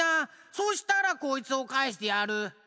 そしたらこいつをかえしてやる！